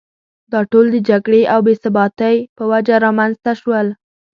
دا ټول د جګړې او بې ثباتۍ په وجه رامېنځته شول.